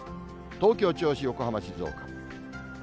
東京、銚子、横浜、静岡。